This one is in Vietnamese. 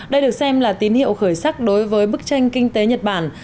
đây được xem là tín hiệu khởi sắc đối với bức tranh kinh tế nhật bản